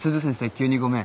急にごめん。